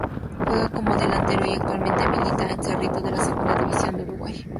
Juega como delantero y actualmente milita en Cerrito de la Segunda División de Uruguay.